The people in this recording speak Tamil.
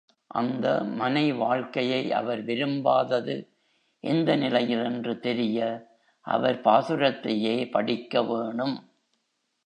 அந்த மனை வாழ்க்கையை அவர் விரும்பாதது எந்த நிலையில் என்று தெரிய அவர் பாசுரத்தையே படிக்கவேணும்.